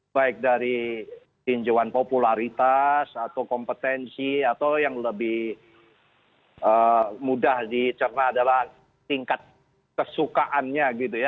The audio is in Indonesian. baik dari tinjauan popularitas atau kompetensi atau yang lebih mudah dicerna adalah tingkat kesukaannya gitu ya